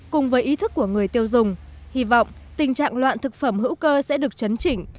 cùng với ý thức của người tiêu dùng hy vọng tình trạng loạn thực phẩm hữu cơ sẽ được chấn chỉnh